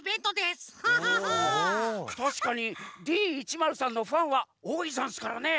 たしかにＤ１０３のファンはおおいざんすからね。